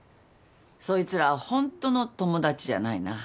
そいつらはホントの友達じゃないな。